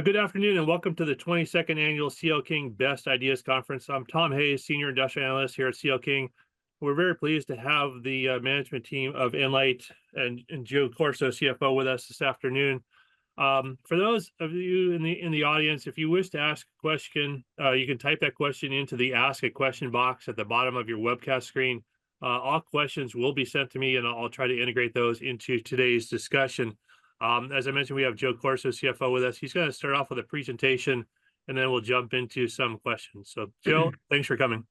Good afternoon, and welcome to the twenty-second annual CL King Best Ideas Conference. I'm Thomas Hayes, senior industrial analyst here at CL King. We're very pleased to have the management team of nLIGHT and Joseph Corso, CFO, with us this afternoon. For those of you in the audience, if you wish to ask a question, you can type that question into the Ask a Question box at the bottom of your webcast screen. All questions will be sent to me, and I'll try to integrate those into today's discussion. As I mentioned, we have Joseph Corso, CFO, with us. He's gonna start off with a presentation, and then we'll jump into some questions. So Joseph, thanks for coming.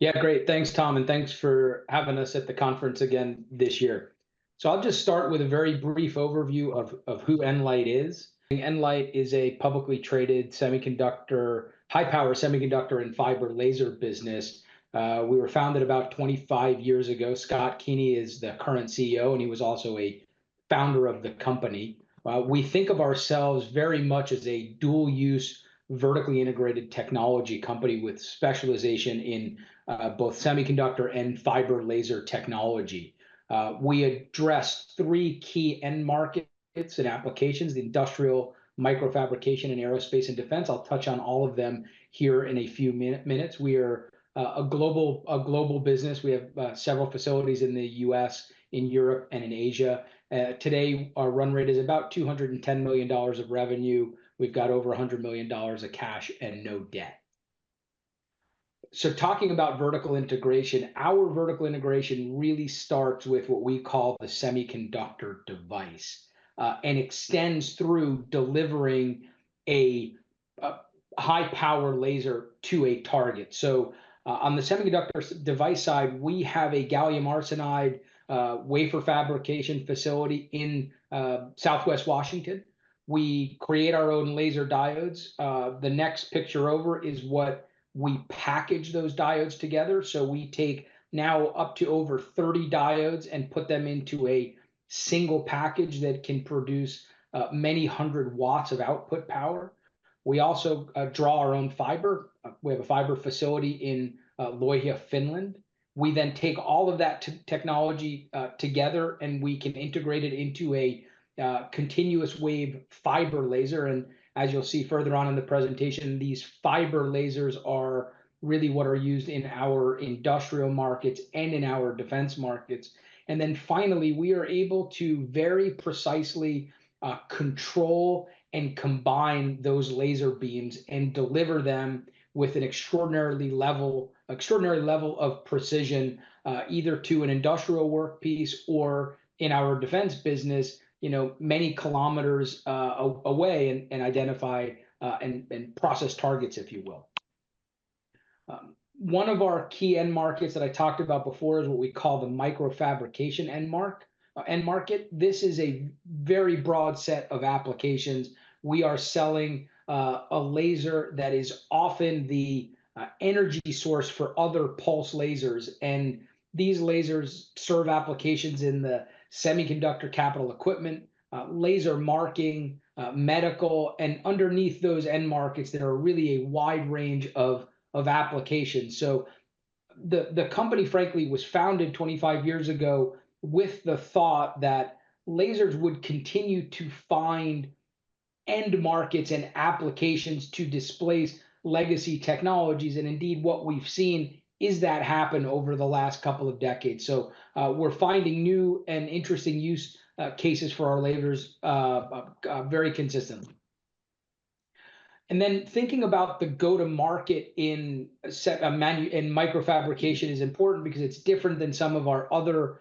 Yeah, great. Thanks, Thomas, and thanks for having us at the conference again this year. So I'll just start with a very brief overview of who nLIGHT is. nLIGHT is a publicly traded high-power semiconductor and fiber laser business. We were founded about 25 years ago. Scott Keeney is the current CEO, and he was also a founder of the company. We think of ourselves very much as a dual-use, vertically integrated technology company with specialization in both semiconductor and fiber laser technology. We address three key end markets and applications: the industrial, microfabrication, and aerospace and defense. I'll touch on all of them here in a few minutes. We are a global business. We have several facilities in the U.S., in Europe, and in Asia. Today, our run rate is about $210 million of revenue. We've got over $100 million of cash and no debt. So talking about vertical integration, our vertical integration really starts with what we call the semiconductor device, and extends through delivering a high-power laser to a target. So, on the semiconductor device side, we have a gallium arsenide wafer fabrication facility in southwest Washington. We create our own laser diodes. The next picture over is what we package those diodes together. So we take now up to over 30 diodes and put them into a single package that can produce many hundred watts of output power. We also draw our own fiber. We have a fiber facility in Lohja, Finland. We then take all of that technology together, and we can integrate it into a continuous wave fiber laser, and as you'll see further on in the presentation, these fiber lasers are really what are used in our industrial markets and in our defense markets, and then finally, we are able to very precisely control and combine those laser beams and deliver them with an extraordinary level of precision either to an industrial work piece or, in our defense business, you know, many kilometers away and identify and process targets, if you will. One of our key end markets that I talked about before is what we call the microfabrication end market. This is a very broad set of applications. We are selling a laser that is often the energy source for other pulse lasers, and these lasers serve applications in the semiconductor capital equipment, laser marking, medical, and underneath those end markets that are really a wide range of applications. So the company, frankly, was founded twenty-five years ago with the thought that lasers would continue to find end markets and applications to displace legacy technologies, and indeed, what we've seen is that happen over the last couple of decades. So we're finding new and interesting use cases for our lasers very consistently. And then thinking about the go-to-market in microfabrication is important because it's different than some of our other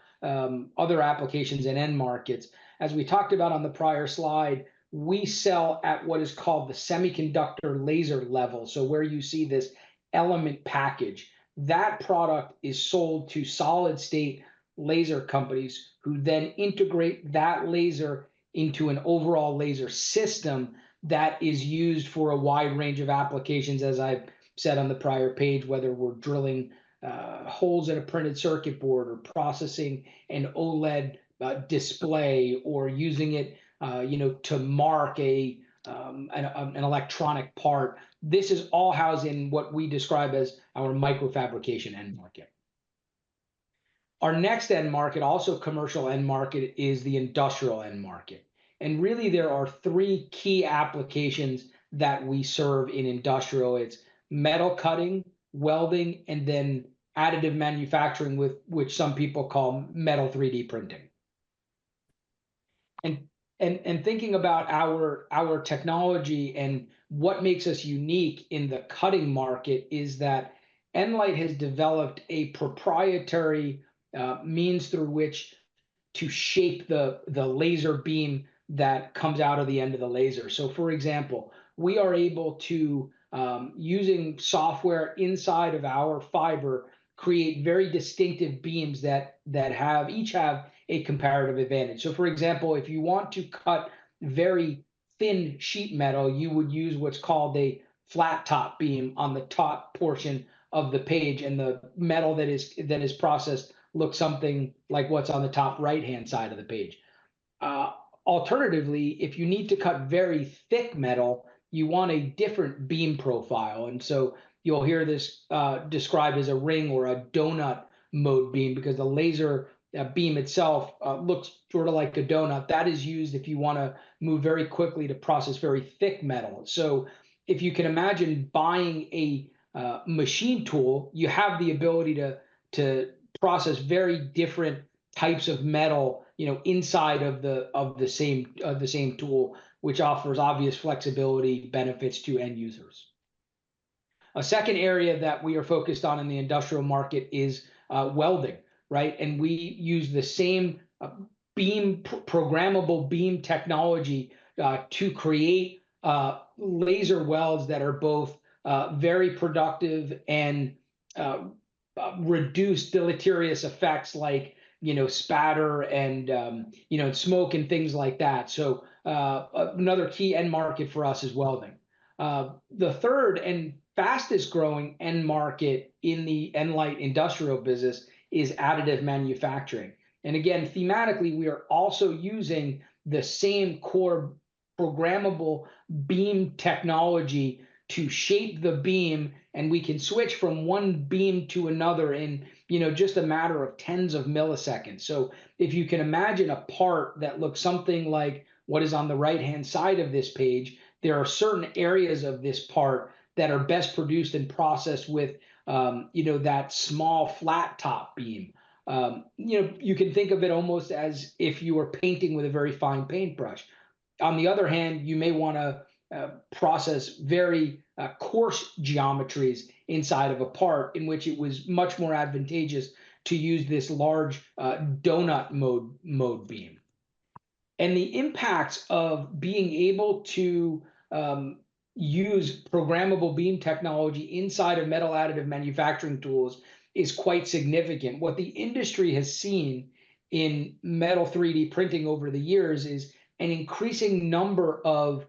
applications and end markets. As we talked about on the prior slide, we sell at what is called the semiconductor laser level, so where you see this element package. That product is sold to solid-state laser companies, who then integrate that laser into an overall laser system that is used for a wide range of applications, as I've said on the prior page, whether we're drilling holes in a printed circuit board or processing an OLED display or using it to mark an electronic part. This is all housed in what we describe as our microfabrication end market. Our next end market, also commercial end market, is the industrial end market, and really there are three key applications that we serve in industrial. It's metal cutting, welding, and then additive manufacturing, which some people call metal 3D printing. Thinking about our technology and what makes us unique in the cutting market, is that nLIGHT has developed a proprietary means through which to shape the laser beam that comes out of the end of the laser. So for example, we are able to, using software inside of our fiber, create very distinctive beams that each have a comparative advantage. So for example, if you want to cut very thin sheet metal, you would use what's called a flat top beam on the top portion of the page, and the metal that is processed looks something like what's on the top right-hand side of the page. Alternatively, if you need to cut very thick metal, you want a different beam profile. And so you'll hear this described as a ring or a donut mode beam, because the laser beam itself looks sort of like a donut. That is used if you wanna move very quickly to process very thick metal. So if you can imagine buying a machine tool, you have the ability to process very different types of metal, you know, inside of the same tool, which offers obvious flexibility benefits to end users. A second area that we are focused on in the industrial market is welding, right? And we use the same programmable beam technology to create laser welds that are both very productive and reduce deleterious effects like, you know, spatter and, you know, smoke and things like that. So, another key end market for us is welding. The third and fastest growing end market in the nLIGHT industrial business is additive manufacturing. And again, thematically, we are also using the same core programmable beam technology to shape the beam, and we can switch from one beam to another in, you know, just a matter of tens of milliseconds. So if you can imagine a part that looks something like what is on the right-hand side of this page, there are certain areas of this part that are best produced and processed with, you know, that small flat top beam. You know, you can think of it almost as if you were painting with a very fine paintbrush. On the other hand, you may wanna process very coarse geometries inside of a part, in which it was much more advantageous to use this large donut mode beam, and the impacts of being able to use programmable beam technology inside of metal additive manufacturing tools is quite significant. What the industry has seen in metal 3D printing over the years is an increasing number of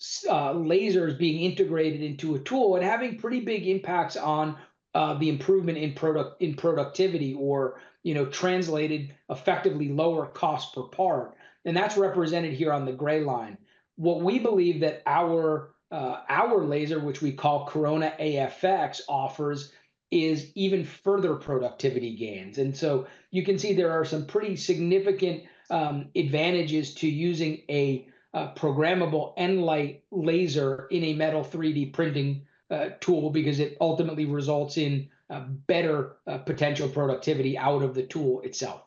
lasers being integrated into a tool and having pretty big impacts on the improvement in productivity or, you know, translated effectively lower cost per part, and that's represented here on the gray line. What we believe that our laser, which we call Corona AFX offers, is even further productivity gains. You can see there are some pretty significant advantages to using a programmable nLIGHT laser in a metal 3D printing tool, because it ultimately results in better potential productivity out of the tool itself.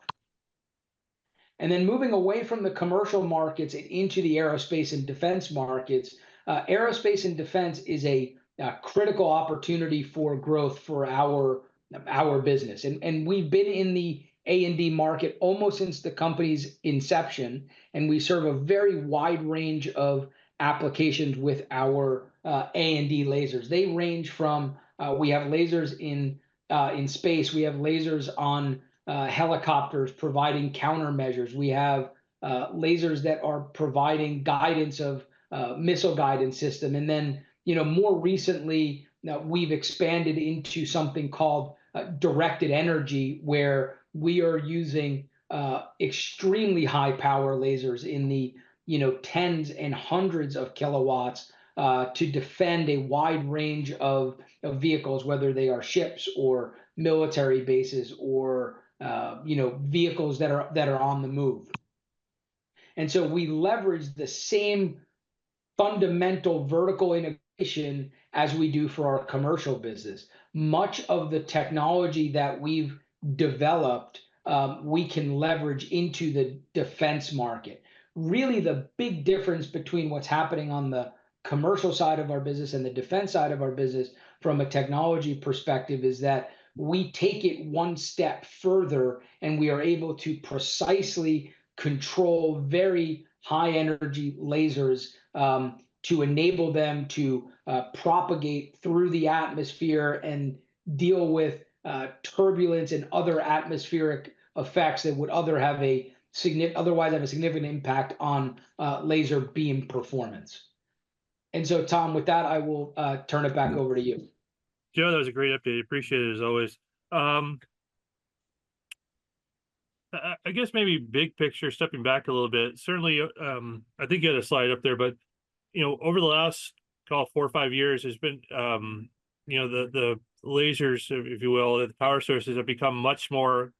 Moving away from the commercial markets into the aerospace and defense markets, aerospace and defense is a critical opportunity for growth for our business. We've been in the A&D market almost since the company's inception, and we serve a very wide range of applications with our A&D lasers. They range from we have lasers in space, we have lasers on helicopters providing countermeasures, we have lasers that are providing guidance of missile guidance system. And then, you know, more recently, now we've expanded into something called directed energy, where we are using extremely high power lasers in the, you know, tens and hundreds of kilowatts to defend a wide range of vehicles, whether they are ships or military bases or, you know, vehicles that are on the move. And so we leverage the same fundamental vertical integration as we do for our commercial business. Much of the technology that we've developed, we can leverage into the defense market. Really, the big difference between what's happening on the commercial side of our business and the defense side of our business from a technology perspective, is that we take it one step further, and we are able to precisely control very high energy lasers, to enable them to propagate through the atmosphere and deal with turbulence and other atmospheric effects that would otherwise have a significant impact on laser beam performance. And so, Thomas, with that, I will turn it back over to you. Joseph, that was a great update. Appreciate it, as always. I guess maybe big picture, stepping back a little bit, certainly, I think you had a slide up there, but, you know, over the last, call four or five years, there's been, you know, the lasers, if you will, the power sources have become much more,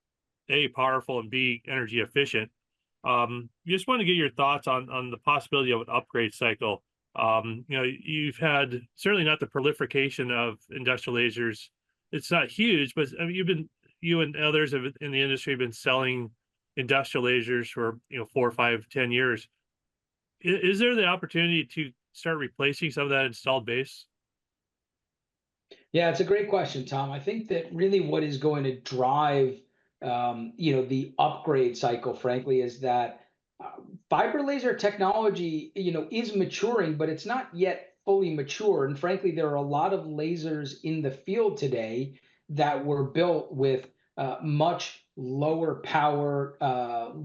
A, powerful, and B, energy efficient. Just wanna get your thoughts on the possibility of an upgrade cycle. You know, you've had certainly not the proliferation of industrial lasers. It's not huge, but, I mean, you and others have, in the industry, have been selling industrial lasers for, you know, four, five, 10 years. Is there the opportunity to start replacing some of that installed base? Yeah, it's a great question, Thomas. I think that really what is going to drive, you know, the upgrade cycle, frankly, is that, fiber laser technology, you know, is maturing, but it's not yet fully mature. And frankly, there are a lot of lasers in the field today that were built with, much lower power,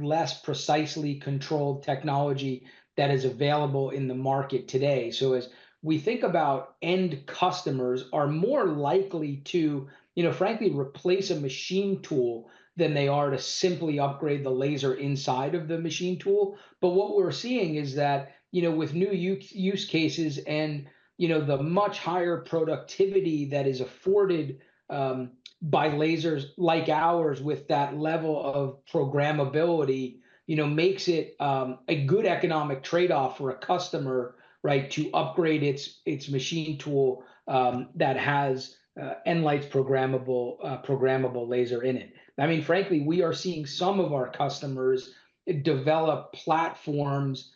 less precisely controlled technology that is available in the market today. So as we think about end customers are more likely to, you know, frankly, replace a machine tool than they are to simply upgrade the laser inside of the machine tool. But what we're seeing is that, you know, with new use cases and, you know, the much higher productivity that is afforded by lasers like ours with that level of programmability, you know, makes it a good economic trade-off for a customer, right, to upgrade its machine tool that has nLIGHT's programmable laser in it. I mean, frankly, we are seeing some of our customers develop platforms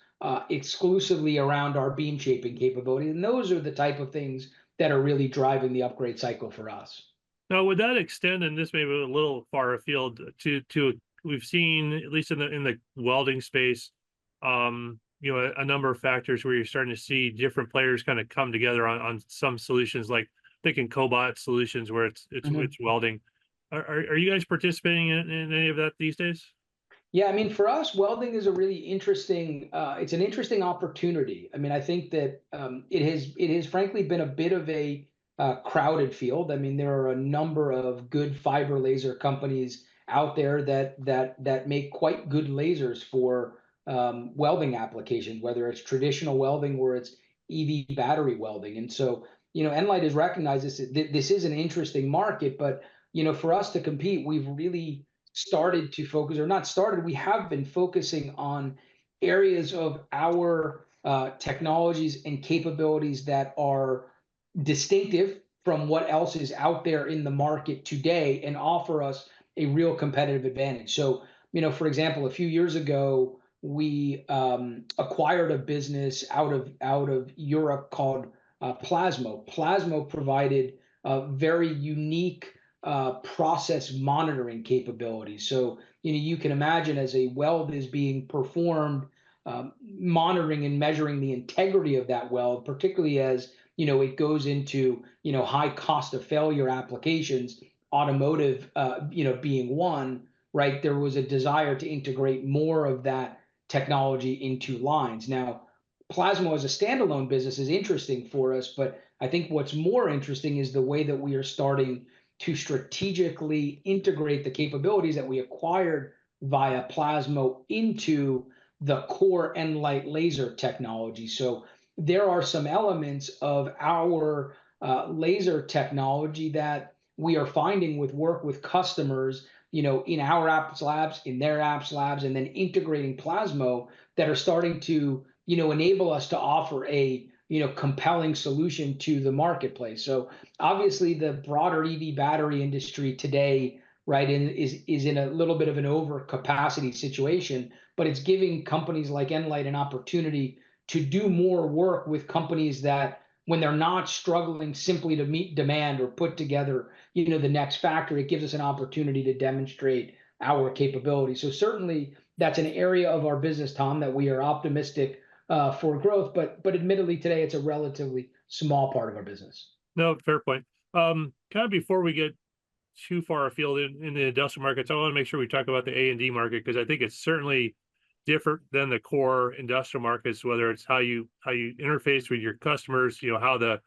exclusively around our beam shaping capability, and those are the type of things that are really driving the upgrade cycle for us. Now, would that extend, and this may be a little far afield, to, to... We've seen, at least in the, in the welding space, you know, a number of factors where you're starting to see different players kinda come together on, on some solutions, like thinking cobot solutions, where it's- Mm-hmm... it's welding. Are you guys participating in any of that these days? Yeah, I mean, for us, welding is a really interesting, it's an interesting opportunity. I mean, I think that, it has frankly been a bit of a crowded field. I mean, there are a number of good fiber laser companies out there that make quite good lasers for, welding applications, whether it's traditional welding or it's EV battery welding. And so, you know, nLIGHT has recognized this, that this is an interesting market, but, you know, for us to compete, we've really started to focus- or not started, we have been focusing on areas of our, technologies and capabilities that are distinctive from what else is out there in the market today and offer us a real competitive advantage. So, you know, for example, a few years ago, we, acquired a business out of Europe called, Plasmo. Plasmo provided a very unique process monitoring capability. So, you know, you can imagine as a weld is being performed, monitoring and measuring the integrity of that weld, particularly as, you know, it goes into, you know, high cost of failure applications, automotive, you know, being one, right? There was a desire to integrate more of that technology into lines. Now, Plasmo as a standalone business is interesting for us, but I think what's more interesting is the way that we are starting to strategically integrate the capabilities that we acquired via Plasmo into the core nLIGHT laser technology. So there are some elements of our laser technology that we are finding with work with customers, you know, in our apps labs, in their apps labs, and then integrating Plasmo, that are starting to, you know, enable us to offer a, you know, compelling solution to the marketplace. So obviously, the broader EV battery industry today, right, is in a little bit of an overcapacity situation, but it's giving companies like nLIGHT an opportunity to do more work with companies that when they're not struggling simply to meet demand or put together, you know, the next factory, it gives us an opportunity to demonstrate our capabilities. So certainly, that's an area of our business, Thomas, that we are optimistic for growth, but admittedly today, it's a relatively small part of our business. No, fair point. Kind of before we get too far afield in the industrial markets, I wanna make sure we talk about the A&D market, 'cause I think it's certainly different than the core industrial markets, whether it's how you interface with your customers, you know, how the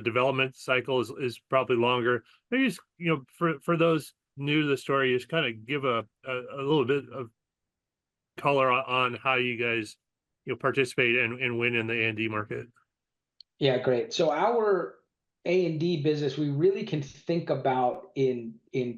development cycle is probably longer. Maybe just, you know, for those new to the story, just kinda give a little bit of color on how you guys, you know, participate and win in the A&D market. Yeah, great. So our A&D business, we really can think about in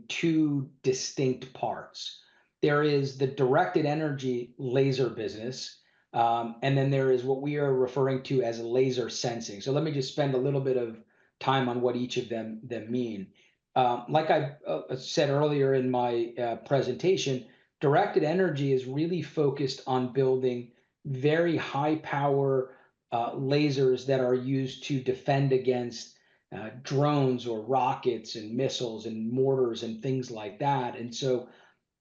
two distinct parts. There is the directed energy laser business, and then there is what we are referring to as laser sensing. So let me just spend a little bit of time on what each of them mean. Like I said earlier in my presentation, directed energy is really focused on building very high-power lasers that are used to defend against drones or rockets and missiles and mortars, and things like that. And so,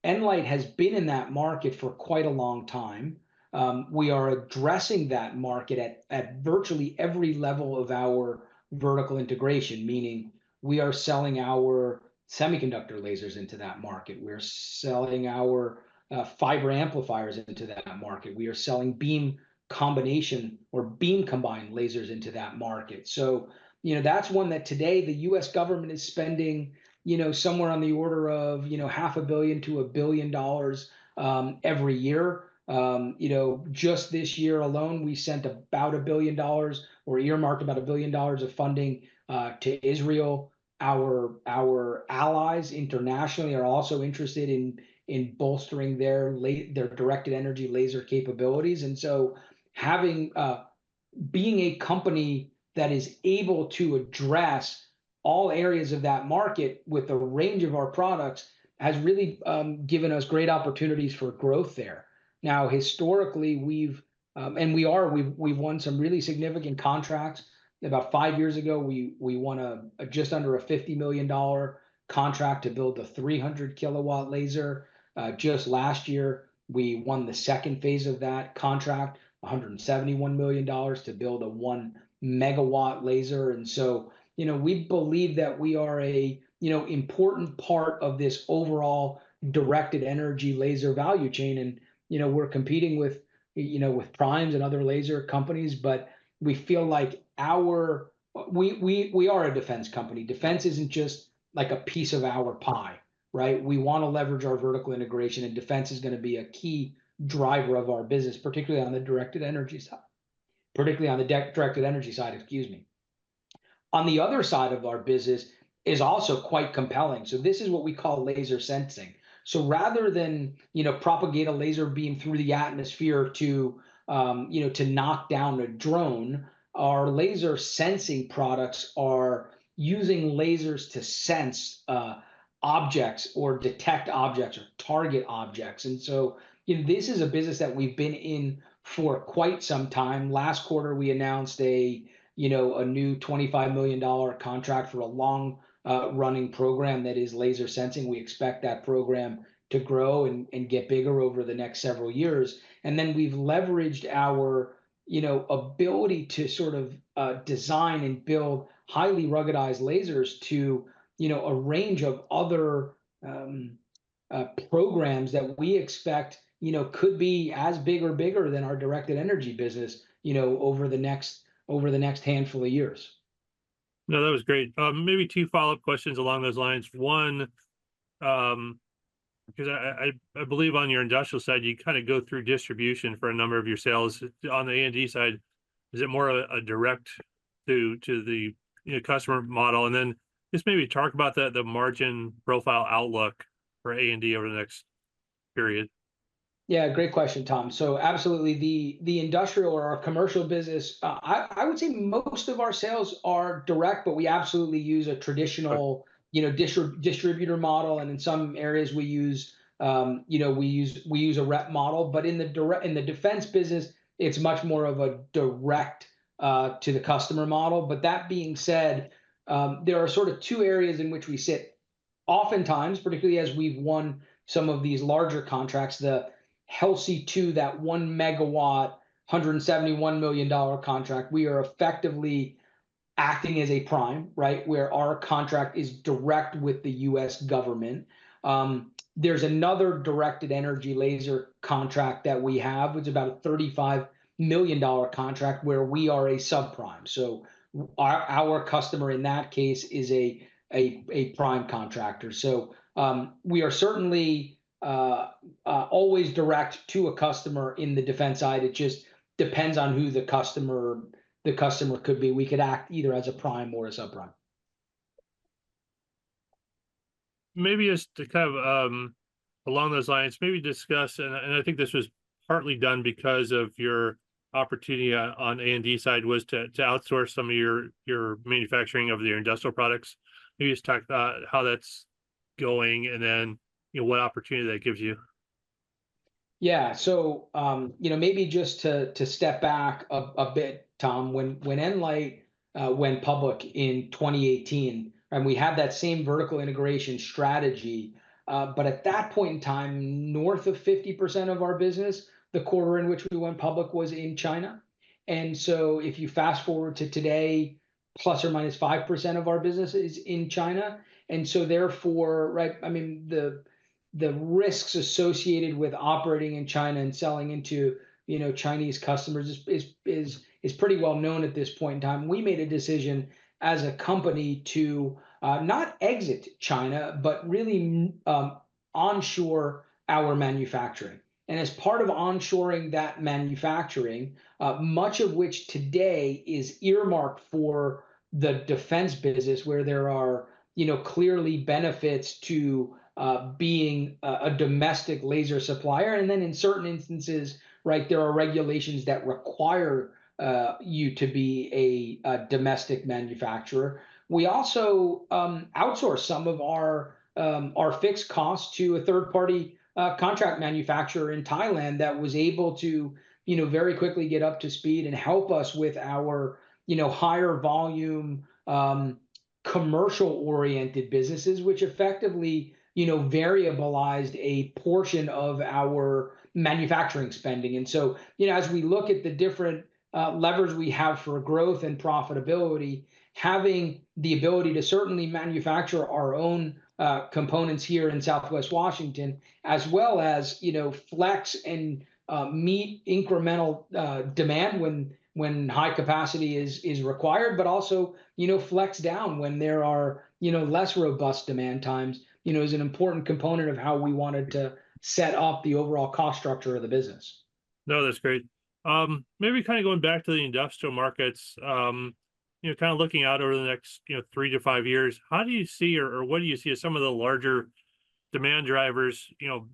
nLIGHT has been in that market for quite a long time. We are addressing that market at virtually every level of our vertical integration, meaning we are selling our semiconductor lasers into that market. We're selling our fiber amplifiers into that market. We are selling beam combination or beam combined lasers into that market. So, you know, that's one that today the U.S. government is spending, you know, somewhere on the order of $500 million-$1 billion every year. You know, just this year alone, we sent about $1 billion, or earmarked about $1 billion of funding to Israel. Our allies internationally are also interested in bolstering their directed energy laser capabilities. And so being a company that is able to address all areas of that market with the range of our products has really given us great opportunities for growth there. Now, historically, we've won some really significant contracts. About five years ago, we won a just under a $50 million contract to build a 300 kilowatt laser. Just last year, we won the second phase of that contract, $171 million to build a one megawatt laser. And so, you know, we believe that we are a you know, important part of this overall directed energy laser value chain, and, you know, we're competing with, you know, with primes and other laser companies, but we feel like our we are a defense company. Defense isn't just, like, a piece of our pie, right? We wanna leverage our vertical integration, and defense is gonna be a key driver of our business, particularly on the directed energy side. Particularly on the directed energy side, excuse me. On the other side of our business is also quite compelling. So this is what we call laser sensing. So rather than, you know, propagate a laser beam through the atmosphere to, you know, to knock down a drone, our laser sensing products are using lasers to sense, objects or detect objects or target objects. And so, you know, this is a business that we've been in for quite some time. Last quarter, we announced a, you know, a new $25 million contract for a long running program that is laser sensing. We expect that program to grow and get bigger over the next several years. And then we've leveraged our, you know, ability to sort of design and build highly ruggedized lasers to, you know, a range of other programs that we expect, you know, could be as big or bigger than our directed energy business, you know, over the next handful of years. No, that was great. Maybe two follow-up questions along those lines. One, 'cause I believe on your industrial side, you kind of go through distribution for a number of your sales. On the A&D side, is it more a direct to the, you know, customer model? And then just maybe talk about the margin profile outlook for A&D over the next period. Yeah, great question, Tom. So absolutely, the industrial or our commercial business, I would say most of our sales are direct, but we absolutely use a traditional- Right... you know, distributor model, and in some areas we use, you know, we use a rep model. But in the defense business, it's much more of a direct to the customer model. But that being said, there are sort of two areas in which we sit. Oftentimes, particularly as we've won some of these larger contracts, the HELSI-2, that one megawatt, $171 million contract, we are effectively acting as a prime, right? Where our contract is direct with the U.S. government. There's another directed energy laser contract that we have, which is about a $35 million contract, where we are a sub-prime. So our customer in that case is a prime contractor. So, we are certainly always direct to a customer in the defense side. It just depends on who the customer is. The customer could be. We could act either as a prime or a sub-prime. Maybe just to kind of, along those lines, maybe discuss, and I think this was partly done because of your opportunity on A&D side, was to outsource some of your manufacturing of your industrial products. Maybe just talk about how that's going, and then, you know, what opportunity that gives you. Yeah. So, you know, maybe just to step back a bit, Tom. When nLIGHT went public in 2018, and we had that same vertical integration strategy, but at that point in time, north of 50% of our business, the quarter in which we went public was in China. And so if you fast-forward to today, plus or minus 5% of our business is in China. And so therefore, right, I mean, the risks associated with operating in China and selling into, you know, Chinese customers is pretty well known at this point in time. We made a decision as a company to not exit China, but really, onshore our manufacturing. And as part of onshoring that manufacturing, much of which today is earmarked for the defense business, where there are, you know, clearly benefits to being a domestic laser supplier, and then in certain instances, right, there are regulations that require you to be a domestic manufacturer. We also outsource some of our fixed costs to a third-party contract manufacturer in Thailand that was able to, you know, very quickly get up to speed and help us with our, you know, higher volume commercial-oriented businesses, which effectively, you know, variabilized a portion of our manufacturing spending. And so, you know, as we look at the different levers we have for growth and profitability, having the ability to certainly manufacture our own components here in Southwest Washington, as well as, you know, flex and meet incremental demand when high capacity is required, but also, you know, flex down when there are, you know, less robust demand times, you know, is an important component of how we wanted to set up the overall cost structure of the business. No, that's great. Maybe kind of going back to the industrial markets, you know, kind of looking out over the next, you know, three to five years, how do you see or what do you see as some of the larger demand drivers, you know,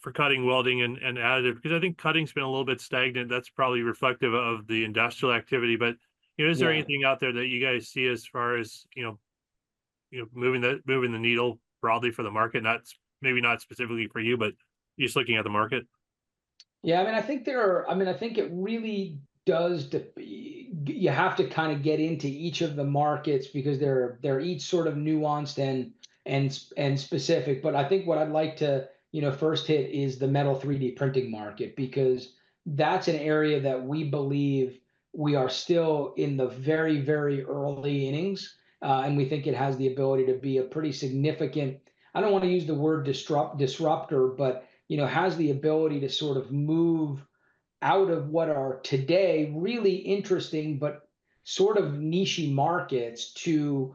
for cutting, welding, and additive, because I think cutting's been a little bit stagnant. That's probably reflective of the industrial activity. But, you know- Yeah... is there anything out there that you guys see as far as, you know, moving the needle broadly for the market? Not, maybe not specifically for you, but just looking at the market. Yeah, I mean, I think there are. I mean, I think it really does. You have to kind of get into each of the markets, because they're each sort of nuanced and specific. But I think what I'd like to, you know, first hit is the metal 3D printing market, because that's an area that we believe we are still in the very, very early innings. And we think it has the ability to be a pretty significant. I don't want to use the word disruptor, but, you know, has the ability to sort of move out of what are today really interesting, but sort of niche-y markets, to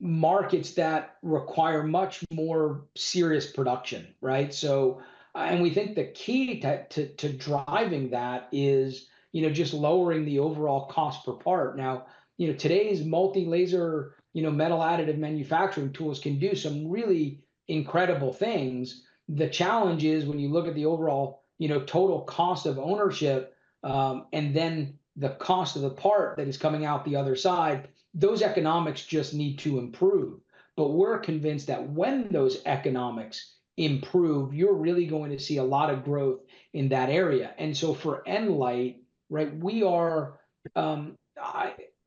markets that require much more serious production, right? So, and we think the key to driving that is, you know, just lowering the overall cost per part. Now, you know, today's multi-laser, you know, metal additive manufacturing tools can do some really incredible things. The challenge is, when you look at the overall, you know, total cost of ownership, and then the cost of the part that is coming out the other side, those economics just need to improve. But we're convinced that when those economics improve, you're really going to see a lot of growth in that area. And so for nLIGHT, right, we are,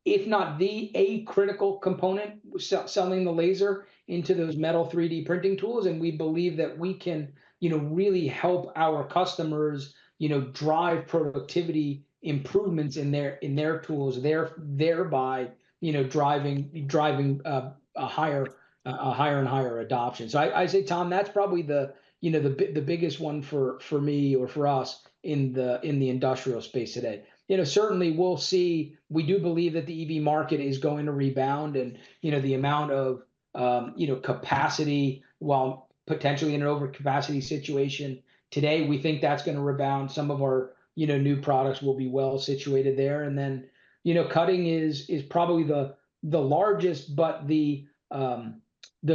if not the, a critical component, selling the laser into those metal 3D printing tools, and we believe that we can, you know, really help our customers, you know, drive productivity improvements in their, in their tools, thereby, you know, driving a higher and higher adoption. So I'd say, Thomas, that's probably the, you know, the biggest one for me or for us in the industrial space today. You know, certainly we'll see, we do believe that the EV market is going to rebound, and, you know, the amount of, you know, capacity, while potentially in an overcapacity situation today, we think that's gonna rebound. Some of our, you know, new products will be well situated there. And then, you know, cutting is probably the largest, but the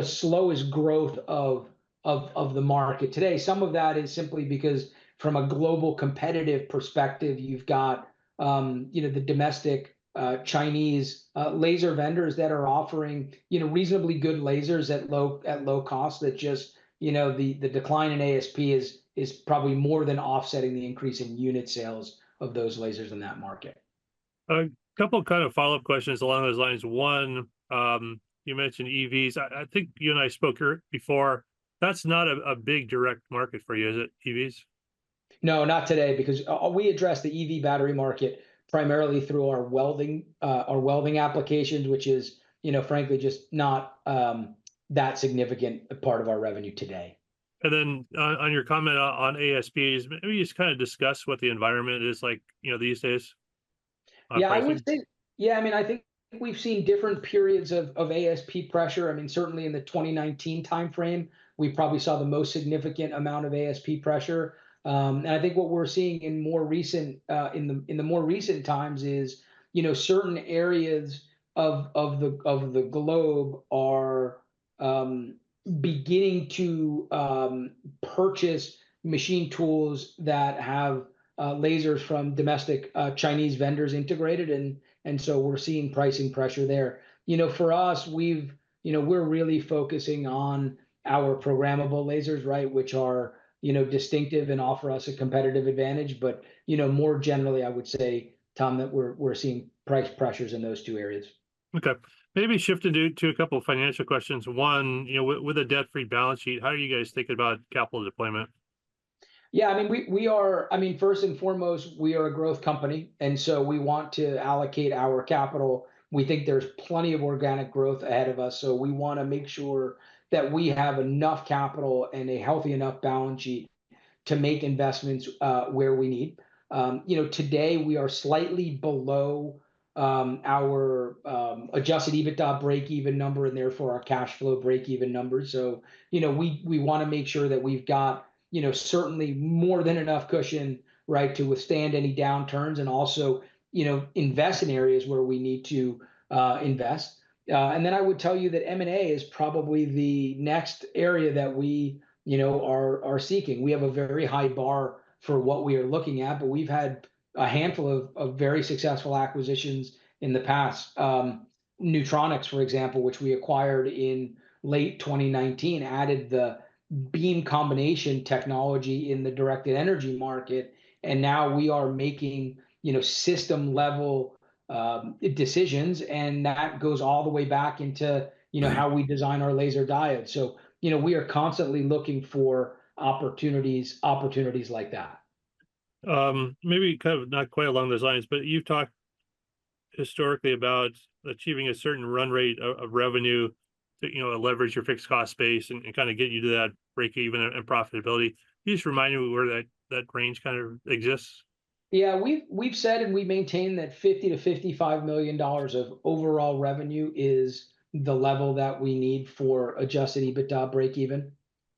slowest growth of the market today. Some of that is simply because from a global competitive perspective, you've got, you know, the domestic Chinese laser vendors that are offering, you know, reasonably good lasers at low cost that just, you know, the decline in ASP is probably more than offsetting the increase in unit sales of those lasers in that market. A couple kind of follow-up questions along those lines. One, you mentioned EVs. I think you and I spoke here before. That's not a big direct market for you, is it, EVs? No, not today, because we address the EV battery market primarily through our welding applications, which is, you know, frankly, just not that significant a part of our revenue today. On your comment on ASPs, maybe just kind of discuss what the environment is like, you know, these days on pricing? Yeah, I mean, I think we've seen different periods of ASP pressure. I mean, certainly in the 2019 timeframe, we probably saw the most significant amount of ASP pressure. And I think what we're seeing in more recent times is, you know, certain areas of the globe are beginning to purchase machine tools that have lasers from domestic Chinese vendors integrated in, and so we're seeing pricing pressure there. You know, for us, we've, you know, we're really focusing on our programmable lasers, right? Which are, you know, distinctive and offer us a competitive advantage. But, you know, more generally, I would say, Thomas, that we're seeing price pressures in those two areas. Okay. Maybe shifting to a couple financial questions. One, you know, with a debt-free balance sheet, how are you guys thinking about capital deployment? Yeah, I mean, we are, I mean, first and foremost, we are a growth company, and so we want to allocate our capital. We think there's plenty of organic growth ahead of us, so we wanna make sure that we have enough capital and a healthy enough balance sheet to make investments where we need. You know, today we are slightly below our Adjusted EBITDA breakeven number, and therefore our cash flow breakeven number. So, you know, we wanna make sure that we've got, you know, certainly more than enough cushion, right, to withstand any downturns, and also, you know, invest in areas where we need to invest. And then I would tell you that M&A is probably the next area that we, you know, are seeking. We have a very high bar for what we are looking at, but we've had a handful of very successful acquisitions in the past. Neutronics, for example, which we acquired in late 2019, added the beam combination technology in the directed energy market, and now we are making, you know, system-level decisions, and that goes all the way back into, you know- Mm-hmm... how we design our laser diodes. So, you know, we are constantly looking for opportunities, opportunities like that. Maybe kind of not quite along those lines, but you've talked historically about achieving a certain run rate of revenue to, you know, leverage your fixed cost base and kind of get you to that breakeven and profitability. Can you just remind me where that, that range kind of exists? Yeah, we've said and we maintain that $50 million-$55 million of overall revenue is the level that we need for Adjusted EBITDA breakeven.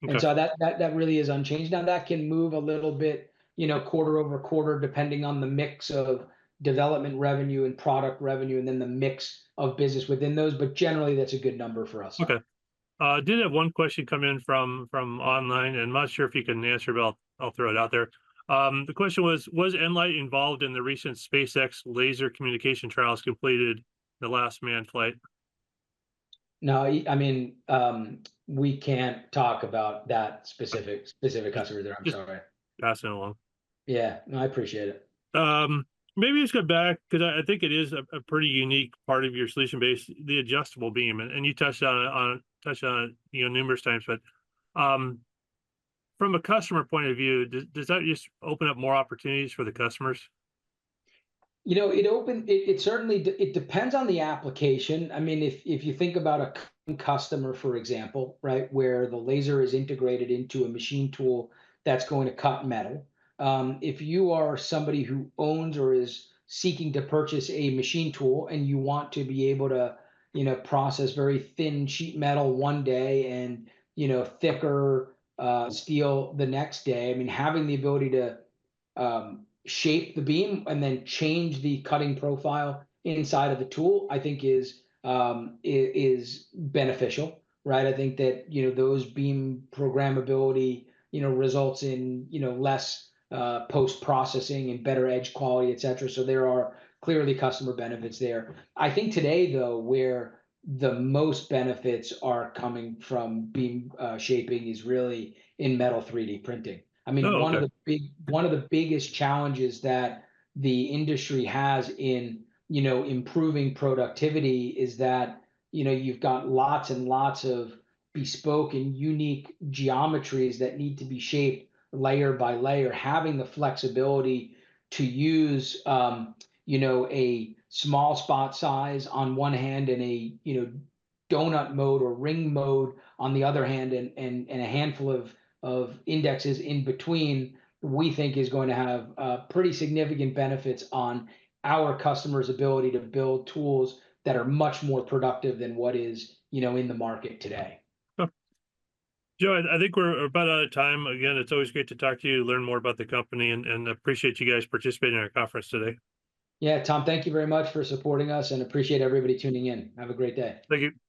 And so that really is unchanged. Now, that can move a little bit, you know, quarter over quarter, depending on the mix of development revenue and product revenue, and then the mix of business within those, but generally that's a good number for us. Okay. Did have one question come in from online, and I'm not sure if you can answer, but I'll throw it out there. The question was: Was nLIGHT involved in the recent SpaceX laser communication trials completed the last manned flight? No, I mean, we can't talk about that specific customer there. I'm sorry. Just passing it along. Yeah. No, I appreciate it. Maybe just get back, 'cause I think it is a pretty unique part of your solution base, the adjustable beam. And you touched on it, you know, numerous times. But from a customer point of view, does that just open up more opportunities for the customers? You know, it certainly depends on the application. I mean, if you think about a customer, for example, right, where the laser is integrated into a machine tool that's going to cut metal, if you are somebody who owns or is seeking to purchase a machine tool, and you want to be able to, you know, process very thin sheet metal one day and, you know, thicker steel the next day, I mean, having the ability to shape the beam and then change the cutting profile inside of the tool, I think is beneficial, right? I think that, you know, those beam programmability results in, you know, less post-processing and better edge quality, et cetera, so there are clearly customer benefits there. I think today, though, where the most benefits are coming from beam shaping is really in metal 3D printing. Oh, okay. I mean, one of the biggest challenges that the industry has in, you know, improving productivity is that, you know, you've got lots and lots of bespoke and unique geometries that need to be shaped layer by layer. Having the flexibility to use, you know, a small spot size on one hand and a, you know, donut mode or ring mode on the other hand, and a handful of indexes in between, we think is going to have pretty significant benefits on our customers' ability to build tools that are much more productive than what is, you know, in the market today. Okay. Joseph, I think we're about out of time. Again, it's always great to talk to you, learn more about the company, and appreciate you guys participating in our conference today. Yeah, Thomas, thank you very much for supporting us, and appreciate everybody tuning in. Have a great day. Thank you.